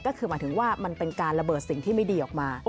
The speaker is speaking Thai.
ก็คือหมายถึงว่ามันเป็นการระเบิดสิ่งที่ไม่ดีออกมา